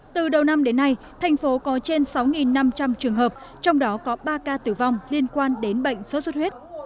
từ đầu năm đến nay thành phố có trên sáu năm trăm linh trường hợp trong đó có ba ca tử vong liên quan đến bệnh sốt xuất huyết